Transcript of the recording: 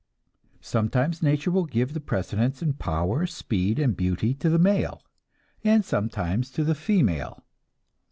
Sometimes nature will give the precedence in power, speed and beauty to the male, and sometimes to the female.